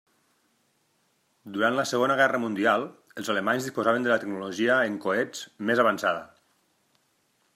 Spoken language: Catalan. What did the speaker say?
Durant la Segona Guerra Mundial els alemanys disposaven de la tecnologia en coets més avançada.